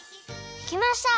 できました！